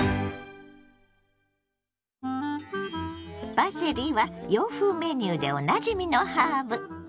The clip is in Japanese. パセリは洋風メニューでおなじみのハーブ。